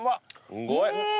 すごい。